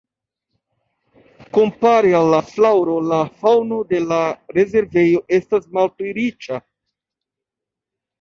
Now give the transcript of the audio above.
Kompare al la flaŭro la faŭno de la rezervejo estas malpli riĉa.